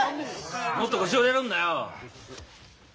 もっと腰を入れるんだよ。